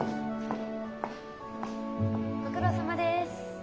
・ご苦労さまです。